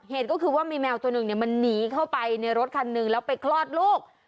เหตุก็คือว่ามีแมวตัวหนึ่งมันหนีเข้าไปในรถคันหนึ่งแล้วไปคลอดลูก